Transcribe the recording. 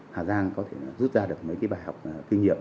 hà giang có thể rút ra được mấy cái bài học kinh nghiệm